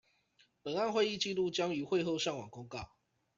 本案會議紀錄將於會後上網公告